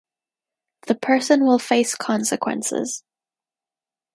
The person will face consequences.